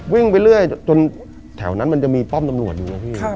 วิ่งไปเรื่อยจนแถวนั้นมันจะมีป้อมตำรวจอยู่นะพี่